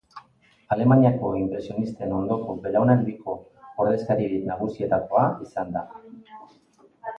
Alemaniako inpresionisten ondoko belaunaldiko ordezkaririk nagusietakoa izan da.